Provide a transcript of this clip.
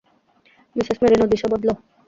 Mrs Merino, দিশা বদলাও।